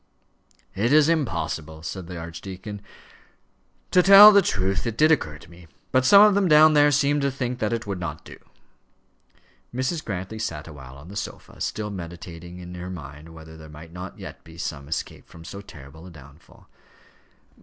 "It is impossible," said the archdeacon. "To tell the truth, it did occur to me. But some of them down there seemed to think that it would not do." Mrs. Grantly sat awhile on the sofa, still meditating in her mind whether there might not yet be some escape from so terrible a downfall.